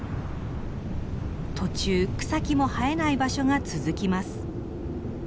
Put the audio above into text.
途中草木も生えない場所が続きます。